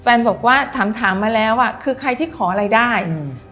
บอกว่าถามถามมาแล้วอ่ะคือใครที่ขออะไรได้อืม